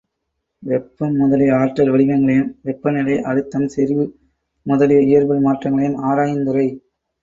வெப்பம் முதலிய ஆற்றல் வடிவங்களையும், வெப்ப நிலை, அழுத்தம், செறிவு முதலிய இயற்பியல் மாற்றங் களையும் ஆராயுந்துறை.